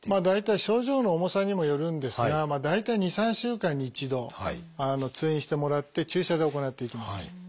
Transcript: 大体症状の重さにもよるんですが大体２３週間に一度通院してもらって注射で行っていきます。